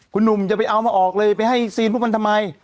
คุณหนุ่มจะไปเอามาออกเลยไปให้ซีนพวกมันทำไม